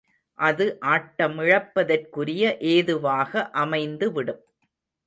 அது ஆட்டமிழப்பதற்குரிய ஏதுவாக அமைந்துவிடும்.